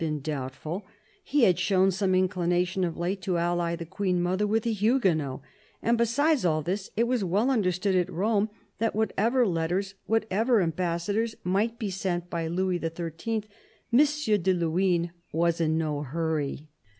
been doubtful : he had shown some inclina tion of late to ally the Queen mother with the Huguenots. And besides all this it was well understood at Rome that whatever letters, whatever ambassadors, might be sent by Louis XHI., M. de Luynes was in no hurry.